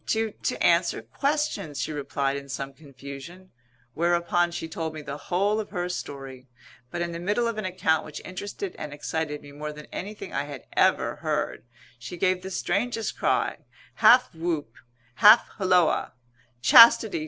"To to answer questions," she replied in some confusion. Whereupon she told me the whole of her story. But in the middle of an account which interested and excited me more than anything I had ever heard, she gave the strangest cry, half whoop, half holloa "Chastity!